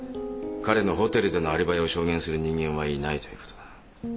彼のホテルでのアリバイを証言する人間はいないということだ。